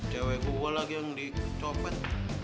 cewek gue lagi yang dicopet